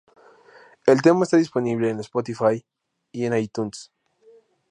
El tema está disponible en Spotify y en iTunes.